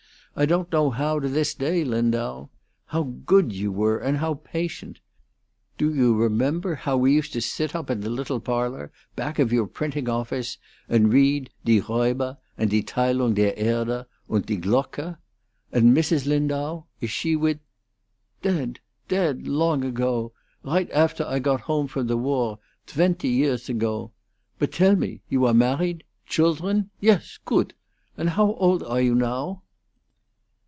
I don't know how to this day, Lindau. How good you were, and how patient! Do you remember how we used to sit up in the little parlor back of your printing office, and read Die Rauber and Die Theilung der Erde and Die Glocke? And Mrs. Lindau? Is she with " "Deadt deadt long ago. Right after I got home from the war tventy years ago. But tell me, you are married? Children? Yes! Goodt! And how oldt are you now?"